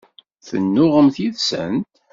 Tennuɣemt yid-sent?